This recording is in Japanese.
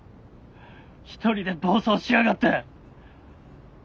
一人で暴走しやがって。